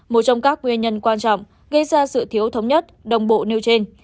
một trong các nguyên nhân quan trọng gây ra sự thiếu thống nhất đồng bộ nêu trên